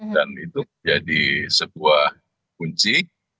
dan itu jadi sebuah kunci